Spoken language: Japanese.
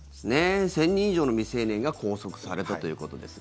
１０００人以上の未成年が拘束されたということですが。